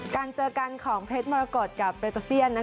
การเจอกันของเพชรมรกฏกับเรโตเซียน